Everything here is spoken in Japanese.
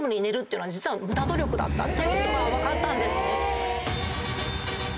ていうことが分かったんですね。